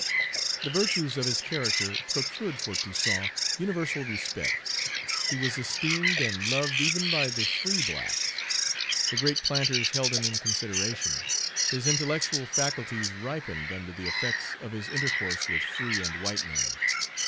The virtues of his character procured for Toussaint universal respect. He was esteemed and loved even by the free blacks. The great planters held him in consideration. His intellectual faculties ripened under the effects of his intercourse with free and white men.